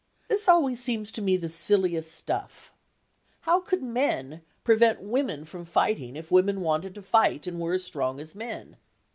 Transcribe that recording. This always seems to me the silliest stuff. How could men prevent women from fighting if women wanted to fight and were as strong as men?